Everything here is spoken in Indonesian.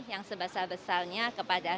yang sebesar besarnya kepada